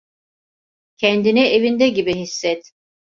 Kendini evinde gibi hisset.